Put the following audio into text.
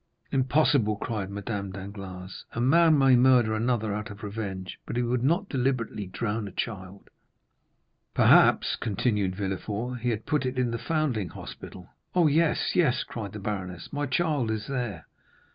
"Impossible!" cried Madame Danglars: "a man may murder another out of revenge, but he would not deliberately drown a child." "Perhaps," continued Villefort, "he had put it in the foundling hospital." "Oh, yes, yes," cried the baroness; "my child is there!"